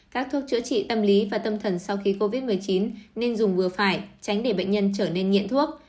các thuốc chữa trị tâm lý và tâm thần sau khi covid một mươi chín nên dùng vừa phải tránh để bệnh nhân trở nên nghiện thuốc